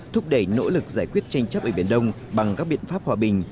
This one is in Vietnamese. thúc đẩy nỗ lực giải quyết tranh chấp ở biển đông bằng các biện pháp hòa bình